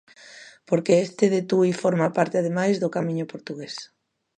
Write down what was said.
Porque este de Tui forma parte ademais do Camiño Portugués.